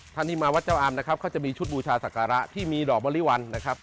ท่านที่มาวัดเจ้าอามนะครับเขาจะมีชุดบูชาศักระที่มีดอกบริวัลนะครับ